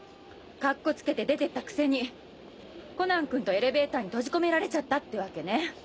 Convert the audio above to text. カッコつけて出てったくせにコナン君とエレベーターに閉じ込められちゃったってわけね。